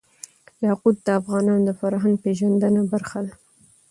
یاقوت د افغانانو د فرهنګ پیژندني برخه ده.